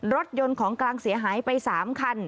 รถยนต์ของกลางเสียหายไป๓คัน